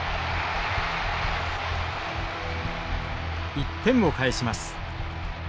１点を返します。